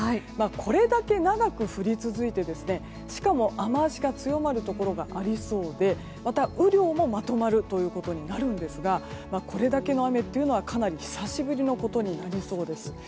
これだけ長く降り続いてしかも、雨脚が強まるところがありそうでまた雨量もまとまることになるんですがこれだけの雨は、かなり久しぶりのことになりそうです。